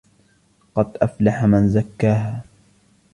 قد أفلح من زكاها